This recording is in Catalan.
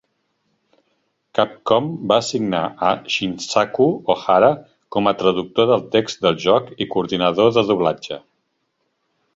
Capcom va assignar a Shinnsaku Ohara com a traductor del text del joc i coordinador de doblatge.